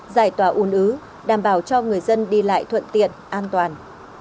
giải tỏa ùn ứ đảm bảo cho người dân đi lại thuận tiện an toàn